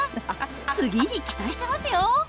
次に期待してますよ。